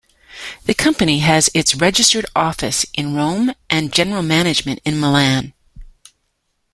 The company has its registered office in Rome and general management in Milan.